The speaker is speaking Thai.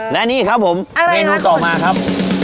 และนี่ครับผมเมนูต่อมาครับ